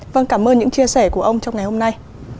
vâng cảm ơn những chia sẻ của ông trong ngày hôm nay